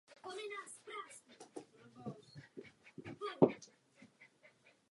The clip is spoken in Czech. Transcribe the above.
A současné praktiky se zdají být hluboko zakořeněné.